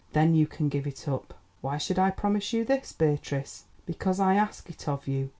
Then you can give it up." "Why should I promise you this, Beatrice?" "Because I ask it of you.